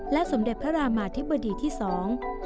สมเด็จพระรามาธิบดีที่สอง